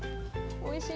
おいしい。